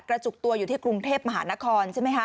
จุกตัวอยู่ที่กรุงเทพมหานครใช่ไหมคะ